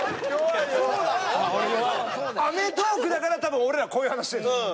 『アメトーーク』だから多分俺らこういう話してるんですよ。